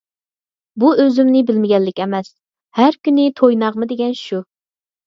بۇ ئۆزۈمنى بىلمىگەنلىك ئەمەس، ھەر كۈنى توي - نەغمە دېگەن شۇ.